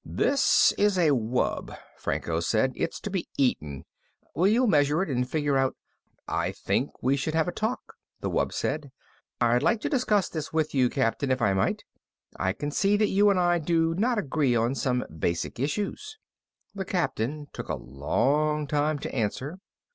"This is a wub," Franco said. "It's to be eaten. Will you measure it and figure out " "I think we should have a talk," the wub said. "I'd like to discuss this with you, Captain, if I might. I can see that you and I do not agree on some basic issues." The Captain took a long time to answer.